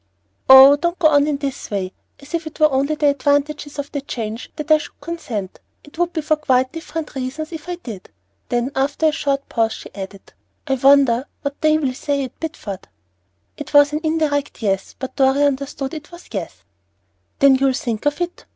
"Oh, don't go on in this way, as if it were only for the advantages of the change that I should consent. It would be for quite different reasons, if I did." Then, after a short pause, she added, "I wonder what they will say at Bideford." It was an indirect yes, but Dorry understood that it was yes. "Then you'll think of it?